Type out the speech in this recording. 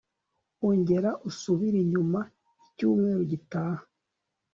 ongera usubire inyuma icyumweru gitaha